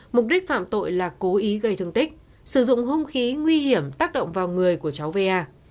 mục đích phạm tội là cố ý gây thương tích sử dụng hung khí nguy hiểm tác động vào người của cháu va